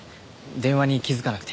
電話に気づかなくて。